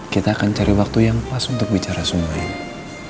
kita akan cari waktu yang pas untuk bicara semua ini